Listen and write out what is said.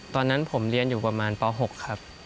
ตอนนั้นผมเรียนอยู่ประมาณป๖ครับ